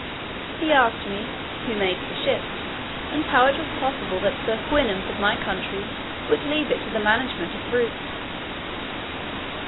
He asked me, "who made the ship, and how it was possible that the Houyhnhnms of my country would leave it to the management of brutes?"